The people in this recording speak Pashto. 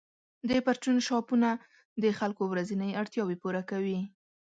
د پرچون شاپونه د خلکو ورځنۍ اړتیاوې پوره کوي.